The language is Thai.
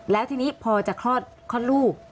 แล้วทีนี้พอจะคลอดลูก